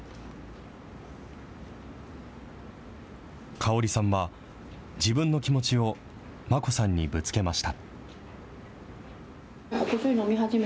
香織さんは、自分の気持ちをマコさんにぶつけました。